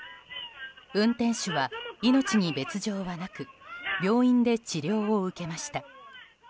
運転手は命に別条はなく病院で治療を受けました。